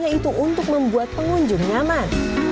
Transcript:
yaitu untuk membuat pengunjung nyaman